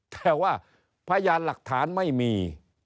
แต่ว่าพยานหลักฐานไม่มี